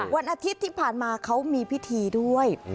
วันอาทิตย์ที่ผ่านมาเขามีพิธีด้วย